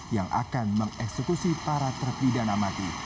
yang akan mengeksekusi para terpidana mati